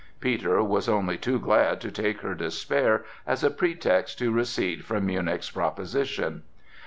Peter was only too glad to take her despair as a pretext to recede from Münnich's proposition.